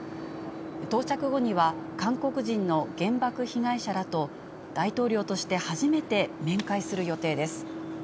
到着後には、韓国人の原爆被害者らと、大統領として初めて面会する予定です。